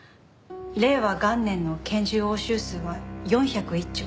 令和元年の拳銃押収数は４０１丁。